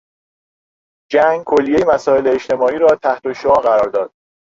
جنگ کلیهی مسائل اجتماعی را تحتالشعاع قرار داد.